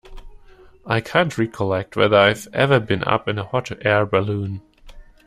I can't recollect whether I've ever been up in a hot air balloon.